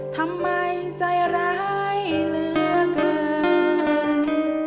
ทำไมใจร้ายเหลือเกิน